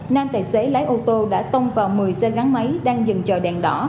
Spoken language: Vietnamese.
nam tài xế lái ô tô đã tông vào một mươi xe gắn máy đang dừng chờ đèn đỏ